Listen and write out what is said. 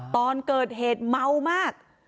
ตอนเกิดเหตุเมามาก